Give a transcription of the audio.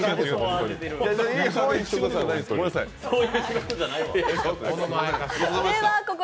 そういう仕事じゃないです、これ。